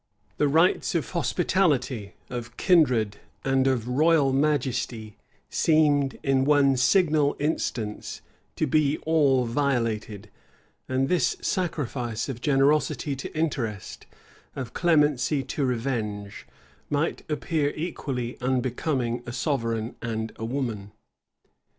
The rights of hospitality, of kindred, and of royal majesty, seemed in one signal instance to be all violated; and this sacrifice of generosity to interest, of clemency to revenge, might appear equally unbecoming a sovereign and a woman.